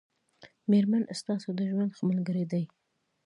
مېرمن ستاسو د ژوند ښه ملګری دی